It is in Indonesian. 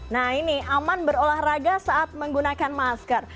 nah ini aman berolahraga saat menggunakan masker